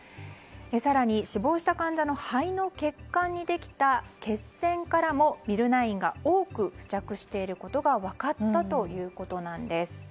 更に死亡した患者の肺の血管にできた血栓からもミルナインが多く付着していることが分かったということなんです。